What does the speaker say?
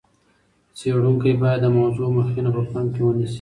څېړونکی باید د موضوع مخینه په پام کي ونیسي.